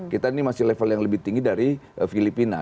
kita ini masih level yang lebih tinggi dari filipina